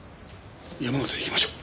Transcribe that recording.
山形へ行きましょう。